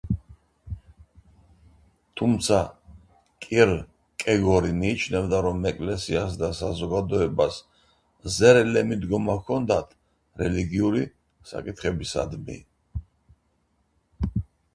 თუმცა, კირკეგორი მიიჩნევდა, რომ ეკლესიას და საზოგადოებას ზერელე მიდგომა ჰქონდათ რელიგიური საკითხებისადმი.